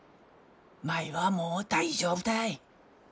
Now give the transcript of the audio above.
舞はもう大丈夫たい。